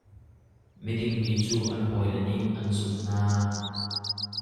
Miding mi cu an hawile nih an zumh hna.